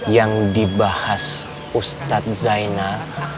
yang dibahas ustadz zainal